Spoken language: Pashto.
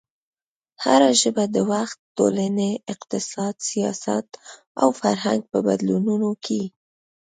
هره ژبه د وخت، ټولنې، اقتصاد، سیاست او فرهنګ په بدلونونو کې